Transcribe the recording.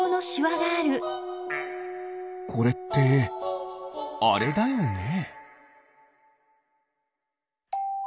これってあれだよね？